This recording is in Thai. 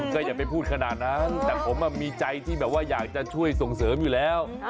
ก็อย่าไปพูดขนาดนั้นแต่ผมมีใจที่แบบว่าอยากจะช่วยส่งเสริมอยู่แล้ว